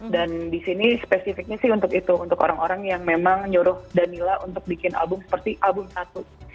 dan disini spesifiknya sih untuk itu untuk orang orang yang memang nyuruh danila untuk bikin album seperti album satu